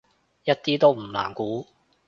一啲都唔難估